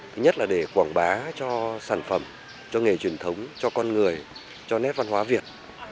thứ nhất là để quảng bá cho sản phẩm cho nghề truyền thống cho con người cho nét văn hóa việt